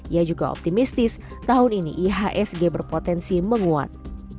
ia juga optimistis tahun ini ihsg berpotensi menguat